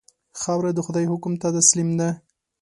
خاوره د خدای حکم ته تسلیم ده.